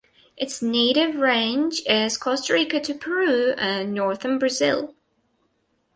Its native range is Costa Rica to Peru and northern Brazil.